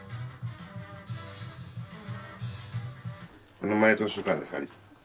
この前図書館で借りた。